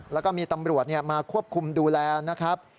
แล้วก็มีตำรวจมาควบคุมดูแลนะครับ